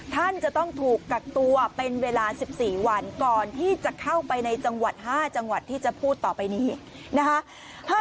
ท่านจะต้องถูกกักตัวเป็นเวลา๑๔วันก่อนที่จะเข้าไปในจังหวัด๕จังหวัดที่จะพูดต่อไปนี้นะคะ